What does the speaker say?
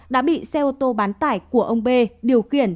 đã bị xe ô tô bán tải của ông b điều khiển